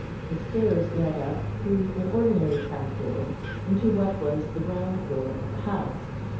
The stairs led up through an ordinary trap door into what was the ground floor of the house.